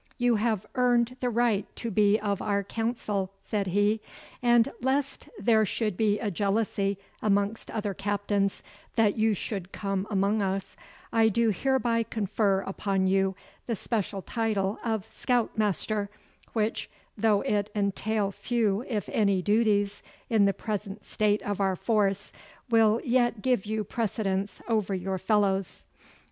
'You have earned the right to be of our council,' said he; 'and lest there should be a jealousy amongst other captains that you should come among us, I do hereby confer upon you the special title of Scout master, which, though it entail few if any duties in the present state of our force, will yet give you precedence over your fellows.